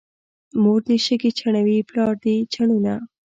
مور دې شګې چڼوي، پلار دې چنونه.